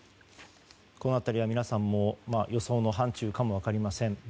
この辺りは皆さんも予想の範疇かも分かりません。